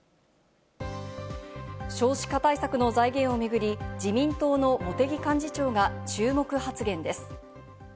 少子化対策の財源をめぐり、自民党の茂木幹事長が注目発言です。